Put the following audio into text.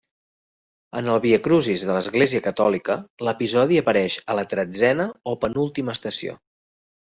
En el viacrucis de l'Església Catòlica l'episodi apareix a la tretzena o penúltima estació.